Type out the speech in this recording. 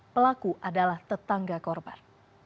pelaku adalah tetangga korban